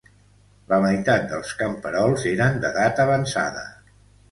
La meitat dels camperols eren d'edat avançada.